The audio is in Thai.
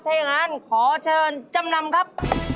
ถ้าอย่างนั้นขอเชิญจำนำครับ